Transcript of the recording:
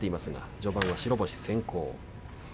序盤は白星先行です。